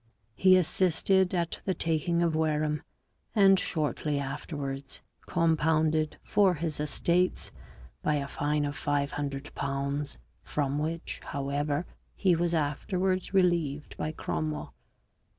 He assisted at the taking of Wareham, and shortly afterwards compounded for his estates by a fine of ┬Ż500 from which, however, he was after wards relieved by Cromwell.